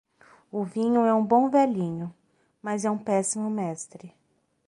O vinho é um bom velhinho, mas é um péssimo mestre.